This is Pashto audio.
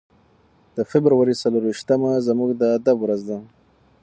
د فبرورۍ څلور ویشتمه زموږ د ادب ورځ ده.